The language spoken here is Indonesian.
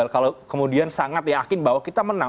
kalau kemudian sangat yakin bahwa kita menang